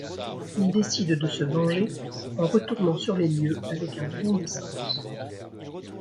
Ils décident de se venger en retournant sur les lieux avec un bidon d'essence.